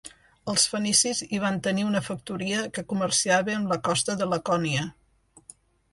Els fenicis hi van tenir una factoria que comerciava amb la costa de Lacònia.